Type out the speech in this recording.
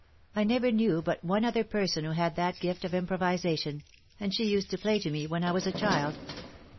I never knew but one other per son who had that gift of improvisation, and she used to play to me when I was a child.